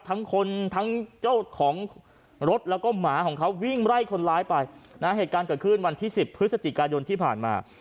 ทั้งคนทั้งเจ้าของรถแล้วก็หมาของเขาวิ่งไล่คนร้ายไปนะฮะเหตุการณ์เกิดขึ้นวันที่สิบพฤศจิกายนที่ผ่านมา